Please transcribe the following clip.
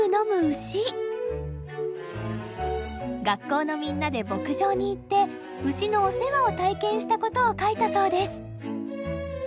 学校のみんなで牧場に行って牛のお世話を体験したことを描いたそうです。